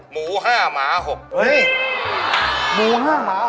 หมู๕หมา๖โอ๊ยหมู๕หมา๖